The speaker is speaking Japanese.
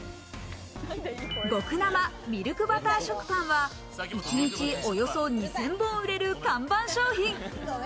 極生“ミルクバター”食パンは一日におよそ２０００本売れる看板商品。